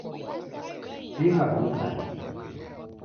Sigha vilunganya.